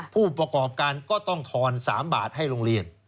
ผู้ประกอบการก็ต้องทอน๓บาทให้โรงเรียน